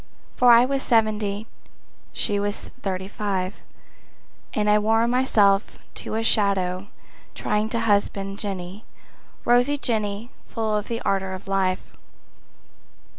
For I was seventy, she was thirty—five, And I wore myself to a shadow trying to husband Jenny, rosy Jenny full of the ardor of life.